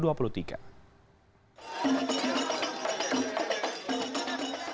yang berpengalaman di dalam kondisi penyelidikan kejayaan